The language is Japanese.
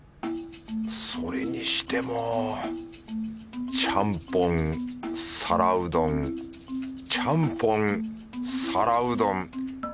それにしてもちゃんぽん皿うどんちゃんぽん皿うどん。